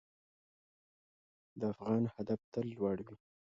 د افغان هدف تل لوړ وي.